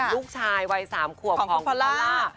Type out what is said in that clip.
ลูกชายวัย๓ขวบของลาล่า